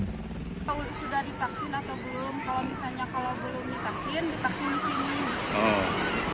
kalau misalnya kalau belum di vaksin di vaksin disini